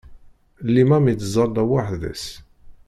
Limam ittẓalla weḥd-s.